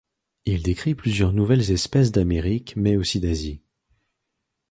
Il décrit plusieurs nouvelles espèces d’Amérique mais aussi d’Asie.